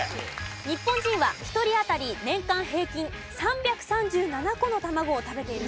日本人は１人当たり年間平均３３７個の卵を食べているそうです。